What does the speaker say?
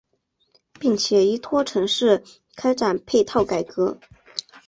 并且依托城市开展配套改革。